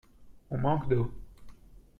On manque d’eau.